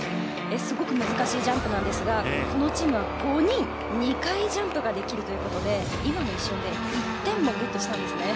すごく難しいジャンプなんですがこのチームは２回、５人がジャンプできるということで今の一瞬で１点もゲットしたんですね。